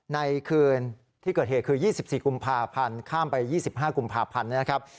ในคืนที่เกิดเหตุคือ๒๔กุมภาพันธ์ข้ามไป๒๕กุมภาพันธ์นะครับ